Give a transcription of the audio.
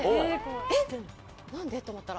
えっ何で？と思ったら。